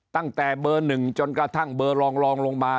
ตั้งแต่เบอร์๑จนกระทั่งเบอร์รองลงมา